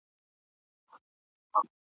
له کلونو پکښي کور د لوی تور مار وو !.